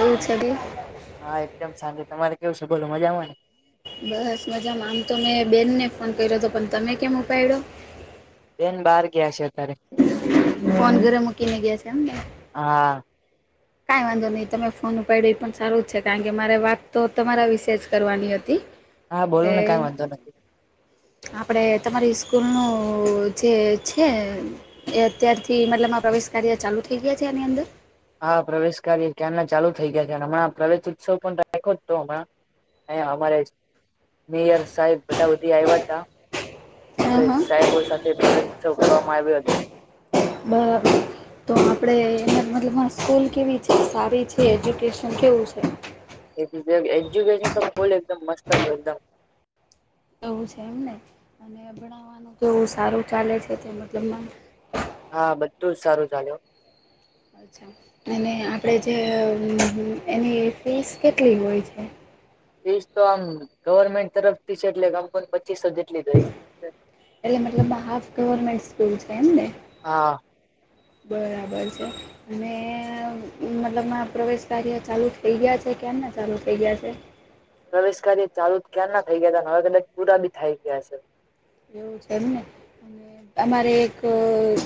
એ છેબ. હા, એકદમ સાંજે તમારે કેવું છે, બોલો મજામાંની. બસ મજામાં, આમ તો મેં બેનને ફોન કર્યો હતો, પણ તમે કેમ ઉપાડ્યો. એન બાર ગ આશ તારે. ફોન કરમાંકીને ગયા છે, મને. હા. કઈ વાંધો નહી, તમે ફોન ઉપાડ્યો એ પણ સારું જ છે, કારણ કે મારે વાત તો તમારા વિશે જ કરવાની હતી. હા બોલો ને કઈ એટલે. વાંધો નથી આપણે તમારી સ્કૂલનું જે છે. એ અત્યારથી મતલબ આ પ્રવેશ કાર્ય ચાલુ થઈ ગયા છે, એની અંદર. હા, પ્રવેશ કાર્ય ક્યાં ના ચાલુ થઇ ગયા છે, હમણાં પ્રવેશ ઉત્સવ પણ રાખો જ તો હમણાં. અ અમારે મેયર સાહેબ બધા બધી આવ્યા હતા. હા આપડે હા સાહેબો સાથે પ્રત્સવ કરવામાં આવ્યો હતો. બ. [unintelligible] તો આપણે એના મતલબમાં સ્કૂલ કેવી છે, સારી છે? એજ્યુકેશન કેવું છે? એજ્યુકેશન તો ફૂલ એકદમ મસ્ત હતુ એકદમ. એવું છે, એમને અને ભણાવવાનું કેવું સારું ચાલે છે, તે મતલબ મ હા, બધું જ સારું ચાલ્યું. અચ્છા, અને આપણે જે એની ફીસ કેટલી હોય છે? ફીસ તો આમ ગવર્મેન્ટ તરફથી છે, એટલે કમ કો પચીસો જેટલી હોય છે. એટલે મતલબ હાફ ગવર્મેન્ટ સ્કૂલ છે, એમને. હા. બરાબર છે. અને મતલબ પ્રવેશ કાર્ય ચાલુ થઈ ગયા છે, કેમને ચાલુ થઇ ગયા છે. પ્રવેશ કાર્ય ચાલુ ક્યાં ના થઈ ગયા, હવે કદાચ પૂરા બી થાય ગયા છે. એવું છે ને. અમારે એક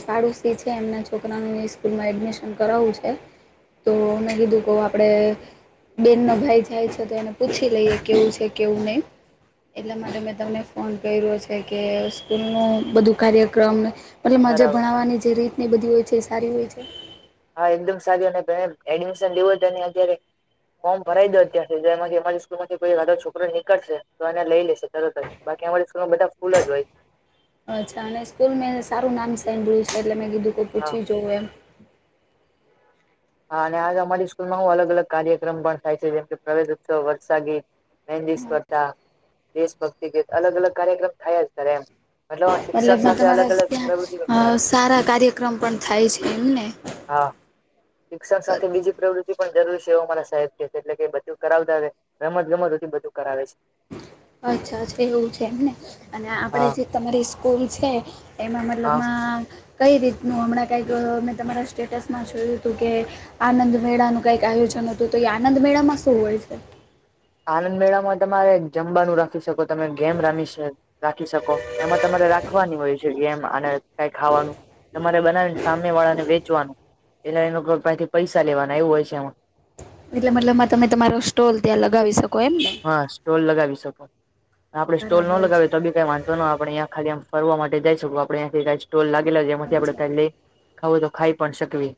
સાળુ સિહ છે, એમના છોકરાનું સ્કૂલમાં એડમિશન કરાવવું છે. તો મેં કીધું કહ આપડે. બેનનો ભાઈ જાય છે, તો એને પૂછી લઈએ કેવું છે, કેવું નહીં. એટલા માટે મેં તમને ફોન કર્યો છે. કે, કે સ્કૂલનું બધું કાર્યક્રમ મતલબ મજા, બરાબર ભણાવવાની જે રીત. બધી હોય છે, સારી હોય છે. હા, એકદમ સારી અને એડમિશન લેવું તો અત્યારે. ફોર્મ ભરાઈ દો, ત્યાં મારી સ્ માં કો છોકરો નીકળશે તો, એને લઈ લેશે તરતર બાકી અમારી સ્કૂલમાં બધા ફૂલ જ હોય. અચ્છા, અને સ્કૂલ મેં સારું નામ સેડ્યું છે, એટલે મેં કીધું કો હા પૂછી જવું એમ. હા, અને આજે અમારી સ્કૂલમાં. હું અલગ-અલગ કાર્યક્રમ પણ થાય છે, જેમ કે પ્રવેશ ઉત્સવ વરસાગી. મંદ સ્પર્ધા દેશભક્તિ ગીત અલગ-અલગ કાર્યક્રમ થયા જ, સર એમ. શિક્ષણ મતલબ સાથે તમારા અલગ અલગ પ્રવૃત્તિ કરાવે ત્યાં સારા કાર્યક્રમ પણ થાય છે, એમને. હા. શિક્ષણ સાથે બીજી પ્રવૃત્તિ પણ જરૂરી છે, એવું મારા સાહેબ કેહે છે, એટલે કે બધું કરાવતા. રમત-ગમત બધું કરાવે છે. અચ્છા એવું છે, એમને અને આપડે હા જે તમારી સ્કૂલ છે. એમાં હા મતલબમાં કઈ રીતનું હમણાં કંઈક મેં તમારા સ્ટેટસમાં જોયું હતું કે. આનંદ મેળા નું કઈક આયોજન હતું., તો એ આનંદ મેળામાં શું હોય છે? આનંદ મેળામાં તમારે જમવાનું રાખી શકો, તમે ગેમ રમી છે. રાખી શકો, એમાં તમારે રાખવાની હોય છે, એમ અને કઈ ખાવાનું. તમારે બનાવે ને, સામે વાળા ને વેચવાનું, એટલે એથી પૈસા લેવાના એવું હોય છે એમાં. એટલે મતલબમાં તમે તમારો સ્ટોલ ત્યાં લગાવી શકો. એમ ને હા, સ્ટોલ લગાવી શકો, આપડે સ્ટોલ ન બરાબર છે લગાવી તો. કઈ વાંધો ન, આપણેે ખાલીમ ફરવા માટે જઈ શકો, આપડેથી ક સ્ટોલ લાગેલો છે, જેમાંથી આપણે અચ્છા ખાલી ખું તો ખાઈ પણ શકવી.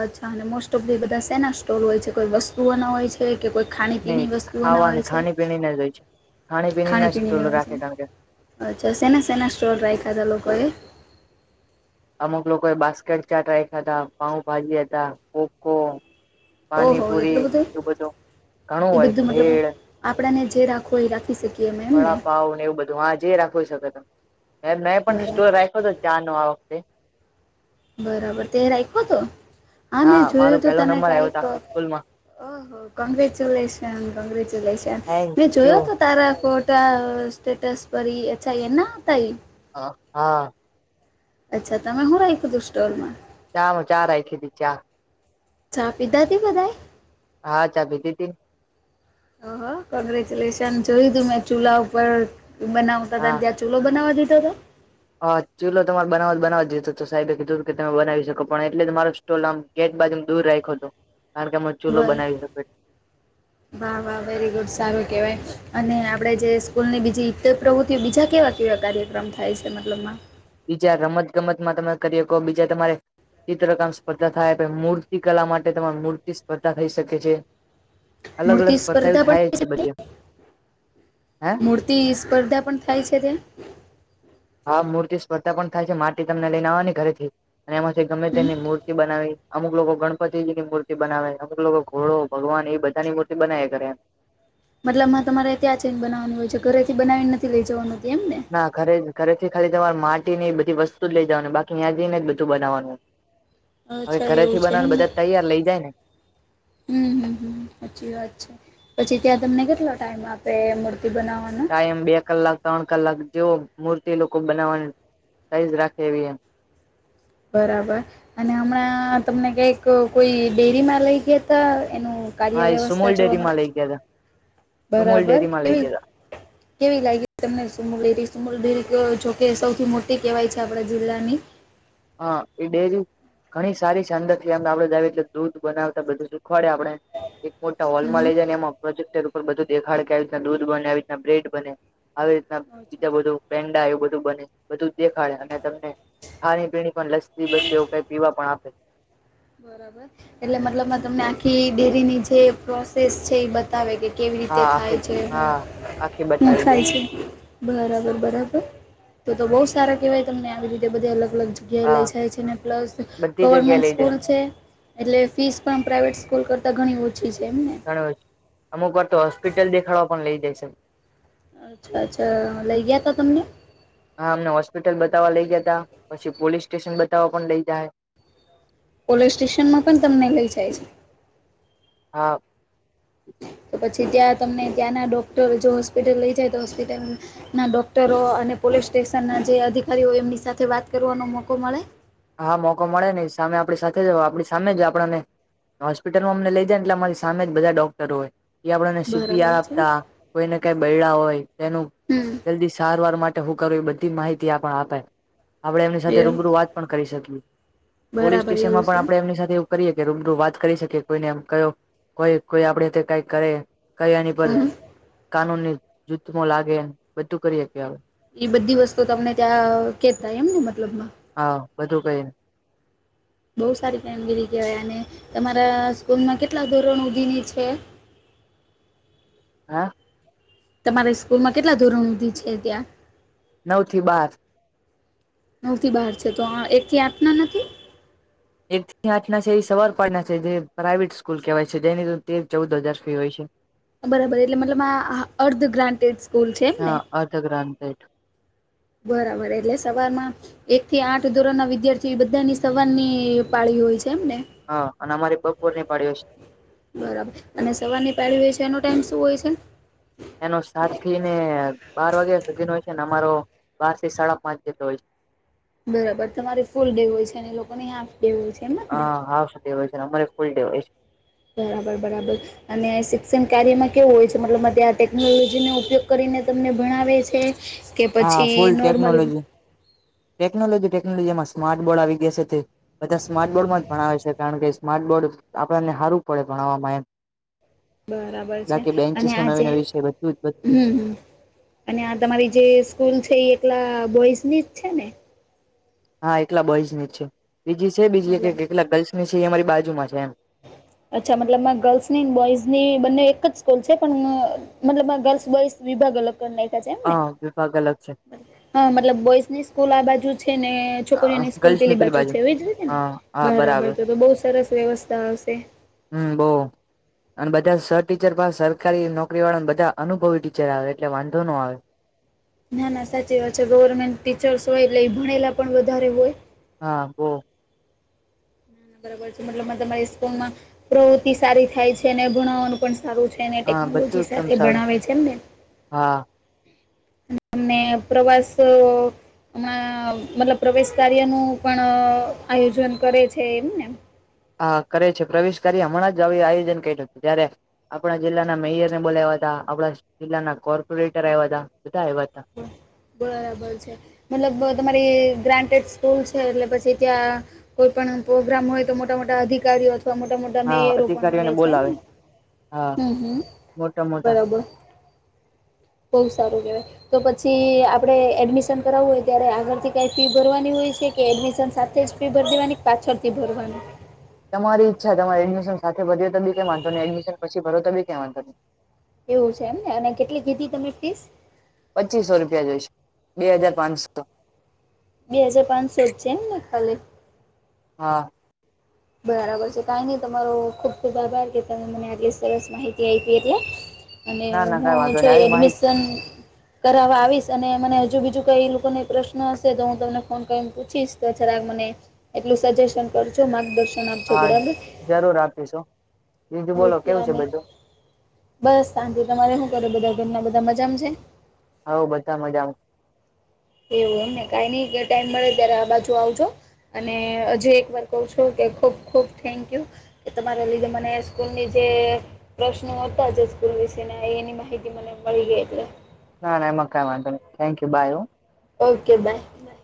અચ્છા, અને મોસ્ટ ઓફ ધી બધા સેના સ્ટોર હોય છે, કોઈ વસ્તુઓ ના હોય છે. કે કોઈ નહી ખાણીપીણી વસ્તુઓના હોય ખાવાને, છે ખાણી-પીણી ને જ હોય છે. ખાણી-પીણી ના ટોલ ખાણીપીણીના હોય રાખે, છે કારણ કે અચ્છા, સેના સેના સ્ટોર રાખ્યા હતા, લોકોએ અમુક લોકોએ બાસ્કેટ ચાટ રાખ્યા હતા, પાઉ-ભાજી હતા, પોકો ઓહો પાણીપુરી એટલું એ બધું ઘણું એ હોય, બધું મતલબ ભેડ. આપણાને જે રાખો એ, રાખી શકીએ. અમે એમને વળાપાઉ ને, એવું બધું હ જે રાખું શકો, તમે મે પણ સ્ટોર બરાબર રાખ્યો, તો ચા નો આવો. બરાબર તે રાખ્યો, તો હા મેં મારો જોયું હતું, પેલો તને નંબર આવ્યો હતો કઈક આખી સ્કૂલમાં ઓહ કંગ્રેચ્યુલેશન કંગ્રેચ્યુલેશન થેન્ક મેં યુ જોયો હતો. તાર કોટા સ્ટેટસ છ, એના. [unintelligible] અચ્છા, તમે શું રાહી, કીધું સ્ટોલમાં. ચા માં ચારાખી દી ચા. ચ પી દાતી બધાય. હા, ચા ભી દી હતી. ઓહ, કોંગ્રેચ્યુલેશન જોયું તું, મે ચૂલા ઉપર બનાવતા હા ત ત્યાં. ચૂલો બનાવવા દીધો હતો. હા, ચૂલો તમારે બનાવ બનાવા જતો તો, સાહેબે કીધુંર કે તમે બનાવી શકો, પણ એટલે તમારો સ્ટોલ આમ ગેટ બાજુ દૂર રાખ્યો કે, અમે ચૂલો બર બનાવી શકો છ. વાહ, વાહ, વેરી ગુડ સારું કેહેવાય, અને આપડે જે સ્કૂલની બીજી ઈ પ્રવૃત્તિઓ બીજા કેવા. કેવા કાર્યક્રમ થાય છે, મતલબમાં બીજા રમત-ગમતમાં તમે કરી શકો, બીજા તમારે. ચિત્રકામ સ્પર્ધા થાય, મૂર્તિ કલા માટે તમારી મૂર્તિ સ્પર્ધા થઈ શકે છે. અલગ-અલગ સ્પર્ધા એ થાય જ છે, બધે હે. તે સ્પર્ધા પણ થાય શકે. હા, મૂર્તિ સ્પર્ધા પણ થાય છે, માટી તમને લઈને આવવાની ઘરે થી, અને એમાંથી ગમે હમ તેની મૂર્તિ બનાવી. અમુક લોકો ગણપતિજી ની મૂર્તિ બનાવે, અમુક લોકો ઘોડો ભગવાન એ બધાની મૂર્તિ બનાવી કરે. મતલબ માં તમારે ત્યાં છેને, બનાવાનું હોય છે, ઘરેથી બનાવીને નથી લઇ જવાનું એમ ને. ના, ઘરે-ઘરે થી ખરીર માટી ની બધી વસ્તુ જ લઈ જવાની, બાકી ત્યાં જઈને બધું બનાવવાનું. હવે અચ્છા એવું ઘરેથી છે બનાવવાનું, બધા તૈયાર લઇ જાય ને. હમ્મ, હમ્મ સાચી વાત છે, પછી ત્યાં તમને કેટલો ટાઈમ આપે, મૂર્તિ બનાવવાનો. એમ બે કલાક, ત્રણ કલાક જેવ મૂર્તિ લોકો બનાવવાની, સાઇઝ રાખે એવી એ. બરાબર, અને હમણાં તમને કંઈક કોઈ ડેરીમાં લઈ ગયા હતા, એનું હા કાર્ય એ વ્યવસ્થા સુમૂલ જોવા ડેરી માં મળે, લઈ ગયા હતા સુમૂલ બરાબર ડેરી માં લઈ કેવી ગયા હતા કેવી લાગી તમને સુમલ ડેરી? સુમલ ડેરી જોકે સૌથી મોટી કહેવાય છે, આપડા જિલ્લાની. હા, એ ડેરી ઘણી સારી છાંદા થમ, આપડે જ એટલે દૂધ બનાવતા, બધું સુખવાડે આપણે. એક મોટા હોલમાં હમ લે જઈને એમાં. પ્રોજેક્ટર ઉપર બધું દેખાડ કે, આવી રીતના દૂધ બને, આવી રીતના બ્રેડ બને, આવી રીતના અચ્છા બીજા બધું. પેન્ડા એ બધું બને, બધું દેખાડે અને તમને પણ લસતી એવું કઈ પીવા પણ આપે. બરાબર, એટલે મતલબ તમને આખી ડેરીની જે પ્રોસેસ છે, એ બતાવે કે, કેવી રીતે હા થાય આખી છે, હા આખી બતાવી દે થાય છે. બરાબર, બરાબર તો તો બહુ સારા કેવાય, તમને આવી રીતે બધે અલગ-અલગ હા [unintelligible] બધી જગ્યા લઈ જાય એટલે ફીસ પણ પ્રાઇવેટ સ્કૂલ કરતા ઘણી ઓછી છે, એમને. અમુક વાર તો હોસ્પિટલ દેખાડવા પણ લઇ જાય છે. અચ્છા, અચ્છા લઈ ગયા ત તમને. હા, અમને હોસ્પિટલ ગયાતા પછી પોલીસ સ્ટેશન બતાવવા પણ લઇ જાય. પોલીસ સ્ટેશનમાં પણ તમને લઈ જાય છે. હા. તો પછી ત્યાં તમને ત્યાંના ડોક્ટર જો હોસ્પિટલ લઈ જાય, તો હોસ્પિટલ ના, ડોક્ટરો અને પોલીસ સ્ટેશન ના જે અધિકારીઓ, એમની સાથે વાત કરવાનો મોકો મળે. હા, મોકો મળે હી, સામે આપણી સાથે જ આપણી સામે જ આપણને. હોસ્પિટલમાં અમને લઇ જાય ને, એટલે અમારી સામે જ બધા ડોક્ટરો હોય, એ આપને બરાબર સીપીઆર છે આપતા. કોઈ ને, કઈ બૈડા હોય તેનું. હમ જલ્દી સારવાર માટે હું કરું? એ બધી માહિતી આપ આપે. આપણે એમની સાથે એવું રૂબરૂ વાત પણ કરી શકીએ, પોલીસ બરાબર સ્ટેશનમાં એવું પણ છે આપણે એમની સાથે. કરીએ કે, રૂબરૂ વાત કરી શકી, કોઈને એમ કયો કોઈ-કોઈ આપડે કઈ કરે. કઈ એની પર હમ કાનૂનની જૂથમાં લાગે, બધું કરીએ કે. એ બધી વસ્તુ તમને ત્યાં કેતા, એમ ને મતલબમાં હા, બધું કઈને. બઉ સારી કામગીરી કહેવાયને, તમારા સ્કૂલમાં કેટલા ધોરણ ઉગીની છે. હા. તમારી સ્કૂલ માં કેટલા ધોરણધી છે ત્યાં? નવ થી બાર. નવ થી બહાર છે, તો એક થી આપના નથી. એક થી આઠ ના, એ સવારપડના જે પ્રાઈવેટ સ્કૂલ કહેવાય છે, જેની તે ચૌદ હજાર ફી હોય છે. બરાબર, એટલે મતલબ આ અર્ધ ગ્રાન્ટેડ સ્કૂલ છે, એમ ને. ગ્રાન્ટેડ પેઠ બરાબર, એટલે સવારમાં એક થી આઠ ધોરણના વિદ્યાર્થી બધાની સવારની પાળી હોય છે, એમને. હા, અને અમારી બપોર ની પાડીયો હશે. બરાબર, અને સવારની પાડી હોય છે, એનો ટાઈમ શું હોય છે? એનો સાતથી ને બાર વાગ્યા સુધી નો હોય છે ને, અમારો બારથી સાડા પાંચ જેટલો હોય છે. બરાબર, તમારે ફૂલ ડે હોય છે, અને લોકોને હાફ બે હોય છે, એમ. હ, જ ને હાફ ડે હોય છે, અમારે ફૂલ ડે હોય છે. બરાબર, બરાબર. અને શિક્ષણ કાર્યમાં કેવું હોય છે? મતલબ આ ટેકનોલોજી નો ઉપયોગ તમને ભણાવે છે. કે હા પછી ફૂલ નોર્મલી. ટેકનોલોજી ટેકનોલોજી, ટેકનોલોજીમાં સ્માર્ટ બોર્ડ આવી ગયા છે તે. બધા સ્માર્ટ બોર્ડમાં જ ભણાવે છે, કારણ કે સ્માર્ટ બોર્ડ આપણને સારું પડે, ભણાવવામાં એમ. બરાબર છે, બાકી અને બેન્ચીસો નવી આજે નવી છે બધું જ બધું હમ્મ, હમ્મ. અને આ તમારી જે સ્કૂલ છે, એ એકલા બોઈઝની જ છે ને. હા, એકલા બોઈઝની જ છે, ત્રીજી છે, બીજી મતલબ એક એકલા ગર્લ્સની છે, એ અમારી બાજુમાં છે એમ. અચ્છા, મતલબમાં ગર્લ્સની બોઈઝની બંને એક જ સ્કૂલ છે, પણ મતલબ, ગર્લ્સ-બોઈસ વિભાગ અલગ કરી નાખ્યા છે, એમને. હા વિભાગ અલગ છે. હા, મતલબ બોઈઝની સ્કૂલ આ બાજુ છે ને. છોકરીઓની સ્કૂલ પેલી બાજુ છે, એવી જ રીતે ને હા હા બરાબર તો, તો બઉુ સરસ વ્યવસ્થા હશે. હમ્મ, બહુ. અને બધા સર ટીચર પાસા સરકારી નોકરીવાળાને બધા અનુભવી ટીચર આવે, એટલે વાંધો નો આવે. ના, ના સાચી વાત છે, ગવર્મેન્ટ ટીચર્સ હોય, એટલે ભણેલા પણ વધારે હોય. હા, બહુ. બરાબર, મતલબ તમારી સ્કૂલમાં પ્રવૃતિ સારી થાય છે, અને ભણવાનું પણ. સારું છે, અને હા બધું ટેકનોલોજી એકદમ સાથે સારું ભણાવે એમને. હા. તમને પ્રવાસ [unintelligible] હમણા મતલબ પ્રવેશ કાર્યનું પણ આયોજન કરે છે, એમને આ કરે છે, પ્રવેશ કાર્ય હમણાં જ આયોજન કરુ ત્યારે. આપણા જિલ્લાના મેયરને બોલ્યા તા, આપણા જિલ્લાના કોર્પોરેટર આવ્યા હતા, બધા આવ્યા હતા. બરાબર છે. મતલબ તમારી ગ્રાન્ટેડ સ્કૂલ છે, એટલે પછી ત્યાં કોઈ પણ પ્રોગ્રામ હોય તો, મોટા-મોટા અધિકારીઓ અથવા મોટા-મોટા હા મેયરો પણ આવે અધિકારીઓને છે બોલાવે એમને. હા હમ્મ, હમ્મ, મોટા મોટા બરાબર, બહૂ સારું કેવાય. તો પછી આપણે એડમિશન કરાવવું હોય, આગળથી ફી ભરવાની હોય છે કે, એડમિશન સાથે જ. ફિ ભરી દેવાની, પાછળથી ભરવાની. તમારી ઈચ્છા તમારે એડમિશન સાથે ભર્યો તો બી કે, વાંધો ને, એડમિશન પછી ભરો તો, બી કે વાંધો નહીં. એવું છે, એમ ને અને કેટલી કિધી, તમે ફીસ. પચીસો રૂપિયા જોઈશે, બે હજાર પાંચસો બે હજાર પાંચસો છે એમને ખાલી, હા બરાબર છે કાઈ નહી તમારો ખૂબ ખૂબ આભાર કે તમે મને આટલી સરસ માહિતી આપી એટલે, અને ના ના હું કઈ વાંધો નહી જોઈ આવી માહિતી એડમિશન, કરાવવા આવીશ અને મને હજુ બીજું કઈ લોકોને પ્રશ્ન હશે તો હું તમને ફોન કરીને પૂછીશ તો જરાક મને એટલું સજેશન કરજો, માર્ગદર્શન આપજો હા બરાબર, જરૂર આપીશું. બીજું બોલો ઓકે કેવું છે બધું બસ શાંતિ તમારે શું કરો, બધા ઘરના બધા મજામાં છે. હઉ બધા મજામાં. એવું એમ ને કઈ નઈ ટાઈમ મળે ત્યારે આ બાજુ આવજો. અને હજી એક વાર કહું છું કે ખૂબ ખૂબ થેન્ક યુ. એ તમારે લીધે મને સ્કૂલની જે. પ્રશ્નો હતા જજકુલ વિશે એની માહિતી મને મળી ગઈ એટલે. ના ના એમાં કઈ વાંધો નહી થેન્ક યુ બાય હું. Okay bye. બાય